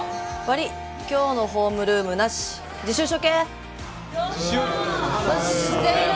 悪い今日のホームルームなし自習しとけ・